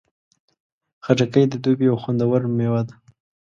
خټکی د دوبی یو خوندور میوه ده.